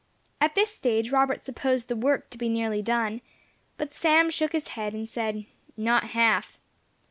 At this stage Robert supposed the work to be nearly done, but Sam shook his head, and said, "Not half."